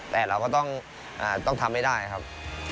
แต่เราก็ต้องทำให้ได้ครับ